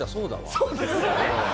そうですよね。